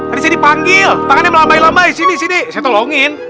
ini saya dipanggil tangannya melamai lamai sini sini saya tolongin